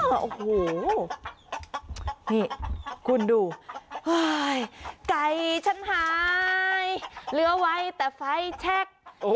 โอ้โหนี่คุณดูเฮ้ยไก่ฉันหายเหลือไว้แต่ไฟแชค